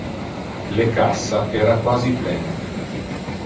Le cassa era quasi plen.